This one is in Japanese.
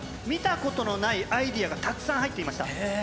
見たことのないアイデアがたくさん入っていました。